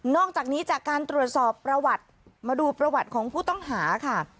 อกจากนี้จากการตรวจสอบประวัติมาดูประวัติของผู้ต้องหาค่ะ